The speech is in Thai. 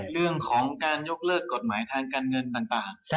เรื่องของการยกเลิกกฎหมายทางการเงินต่าง